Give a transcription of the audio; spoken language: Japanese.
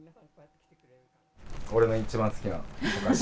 俺が一番好きなお菓子。